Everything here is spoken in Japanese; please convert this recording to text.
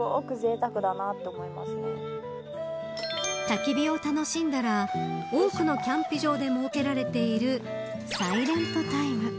たき火を楽しんだら多くのキャンプ場で設けられているサイレントタイム。